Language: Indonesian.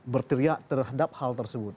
berteriak terhadap hal tersebut